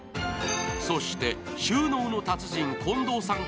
そして、収納の達人・近藤さん